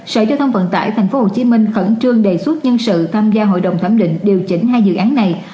sở giao thông vận tải tp hcm khẩn trương đề xuất nhân sự tham gia hội đồng thẩm định điều chỉnh hai dự án này